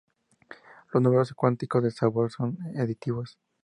Los números cuánticos de sabor son aditivos.